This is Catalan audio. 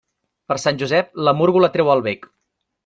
Per Sant Josep, la múrgola treu el bec.